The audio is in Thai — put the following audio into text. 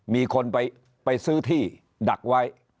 มีคนไปซื้อที่ดักไว้